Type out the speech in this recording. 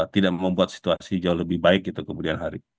tidak membuat situasi jauh lebih baik gitu kemudian hari